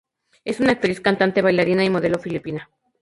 Es una actriz, cantante, bailarina y modelo filipina.